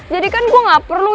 jadikan gue gak perlu